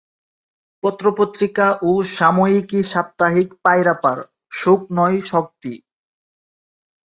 পত্র-পত্রিকা ও সাময়িকী সাপ্তাহিক পায়রাপাড়, শোক নয় শক্তি।